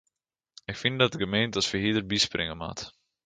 Ik fyn dat de gemeente as ferhierder byspringe moat.